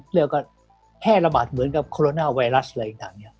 เรียกว่าแพร่ระบาดเหมือนกับโคโรนาไวรัสอะไรต่างเนี่ย